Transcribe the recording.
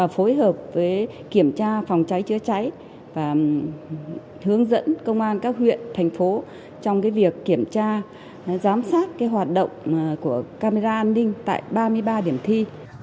phối hợp với kiểm tra phòng cháy chữa cháy và hướng dẫn công an các huyện thành phố trong việc kiểm tra giám sát hoạt động của camera an ninh tại ba mươi ba điểm thi